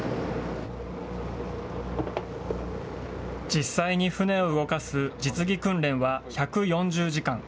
実際に船を動かす実技訓練は１４０時間。